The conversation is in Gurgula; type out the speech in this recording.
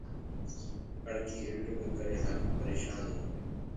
ڪڻڪي ريٽو ڪري هآري پرشآن هينٚ۔